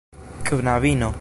knabino